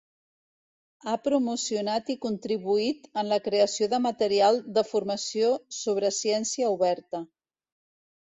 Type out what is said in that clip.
Ha promocionat i contribuït en la creació de material de formació sobre ciència oberta.